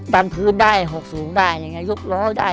ดำพื้นได้หกสูงได้ยุกล้อได้